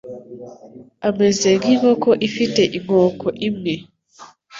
Ameze nkinkoko ifite inkoko imwe.